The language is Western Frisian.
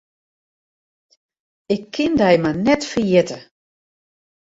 Ik kin dy mar net ferjitte.